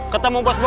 ketemu bos bobon